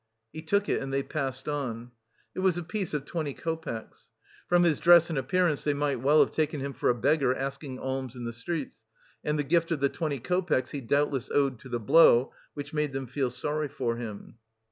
He took it and they passed on. It was a piece of twenty copecks. From his dress and appearance they might well have taken him for a beggar asking alms in the streets, and the gift of the twenty copecks he doubtless owed to the blow, which made them feel sorry for him.